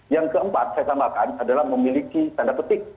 yang keempat saya tambahkan adalah memiliki tanda petik